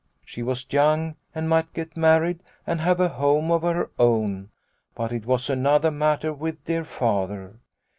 " She was young and might get married and have a home of her own, but it was another matter with dear Father.